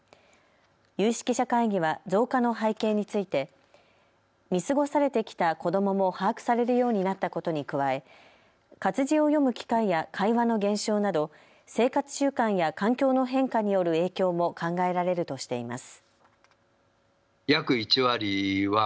有識者会議は増加の背景について見過ごされてきた子どもも把握されるようになったことに加え活字を読む機会や会話の減少など生活習慣や環境の変化による影響も考えられるとしています。